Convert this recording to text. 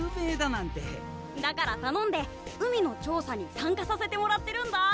だから頼んで海の調査に参加させてもらってるんだ。